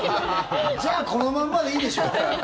じゃあこのまんまでいいでしょ。